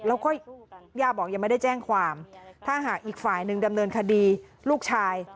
แล้วก็ย่าบอกยังไม่ได้แจ้งความถ้าหากอีกฝ่ายหนึ่งดำเนินคดีลูกชาย